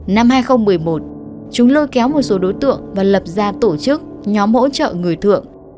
năm hai nghìn một mươi một chúng lôi kéo một số đối tượng và lập ra tổ chức nhóm hỗ trợ người thượng